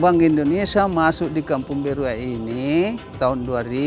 bank indonesia masuk di kampung biruai tahun dua ribu empat belas